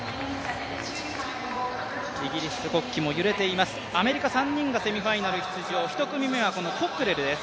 イギリス国旗も揺れています、アメリカ３人がセミファイナル出場、１組目はコックレルです。